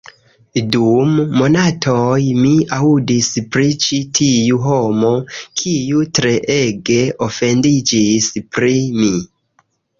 Dum monatoj, mi aŭdis pri ĉi tiu homo, kiu treege ofendiĝis pri mi